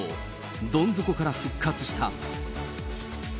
どん底から復活した。